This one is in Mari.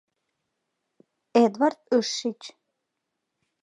Эдвард ыш шич.